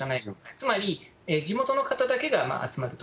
つまり地元の方だけが集まると。